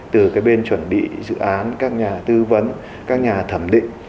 từ cái bên chuẩn bị dự án các nhà tư vấn các nhà thẩm định